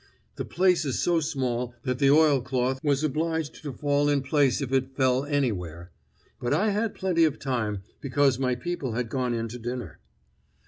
The place is so small that the oilcloth was obliged to fall in place if it fell anywhere. But I had plenty of time, because my people had gone in to dinner."